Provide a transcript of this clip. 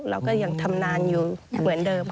เราก็ยังทำนานอยู่เหมือนเดิม